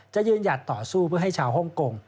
จะยืนหยัดต่อสู้เพื่อให้ชาวฮ่องกง